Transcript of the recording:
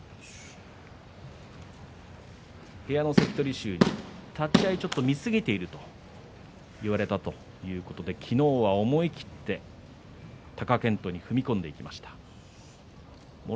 部屋の関取衆に立ち合い、ちょっと見すぎていると言われたということで昨日は思い切って貴健斗に踏み込んでいきました。